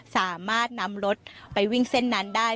สามารถนำรถไปวิ่งเส้นนั้นได้